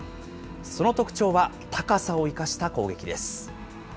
その特徴は高さを生かした攻撃です。